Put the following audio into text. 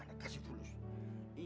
anak kasih fulusi